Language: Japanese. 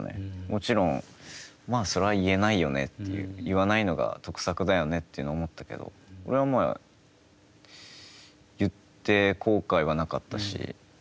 もちろん、まあ、それは言えないよねという、言わないのが得策だよねって思ったけど俺は言って後悔はなかったし。